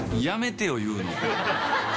やめてよ、言うの。